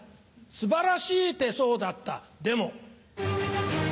素晴らしい手相だったでも！